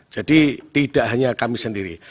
jadi tidak hanya kami sendiri